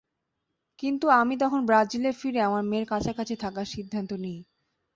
কিন্তু আমি তখন ব্রাজিলে ফিরে আমার মেয়ের কাছাকাছি থাকার সিদ্ধান্ত নিই।